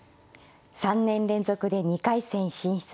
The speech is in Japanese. ３年連続で２回戦進出です。